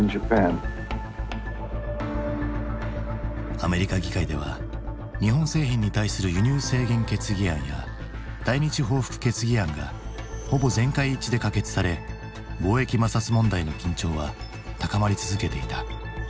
アメリカ議会では日本製品に対する輸入制限決議案や対日報復決議案がほぼ全会一致で可決され貿易摩擦問題の緊張は高まり続けていた。